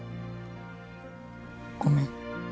ごめん。